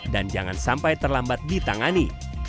jangan sampai terlambat ditangani